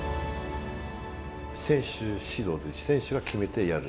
選手主導選手が決めてやる。